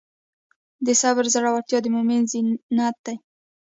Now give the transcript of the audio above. د صبر زړورتیا د مؤمن زینت دی.